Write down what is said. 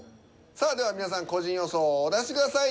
さあでは皆さん個人予想をお出しください。